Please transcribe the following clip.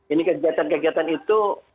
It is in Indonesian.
ini kegiatan kegiatan itu